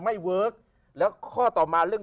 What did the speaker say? เวิร์คแล้วข้อต่อมาเรื่อง